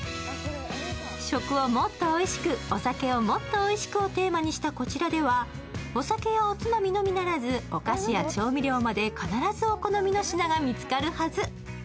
食をもっとおいしく、お酒をもっとおいしくをテーマにしたこちらでは、お酒やおつまみのみならず、お菓子や調味料まで必ず、お好みの品が見つかるはず。